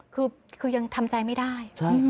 คือยังทำใจไม่ได้